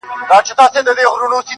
فاني نقشونه کله ښايي له قرانه سره